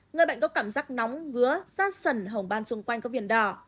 người bệnh có cảm giác nóng ngứa da sần hồng ban xung quanh có viền đỏ